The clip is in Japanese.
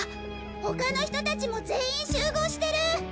他の人達も全員集合してる！